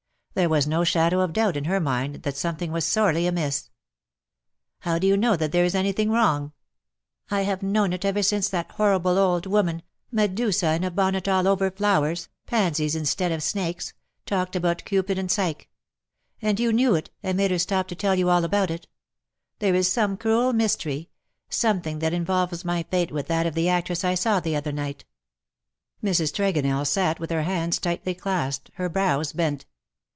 There was no shadow of doubt in her mind that something was sorely amiss. '^ How do you know that there is anything wrong T' 256 LE SECRET DE POLICHINELLE. " I have known it ever since that horrible old woman — Medusa in a bonnet all over flowers — pansies instead of snakes — talked about Cupid and Psyche. And you knew it^ and made her stop to tell you all about it. There is some cruel mystery — something that involves my fate with that of the actress I saw the other night." Mrs. Tregonell sat with her hands tightly clasped, her brows bent.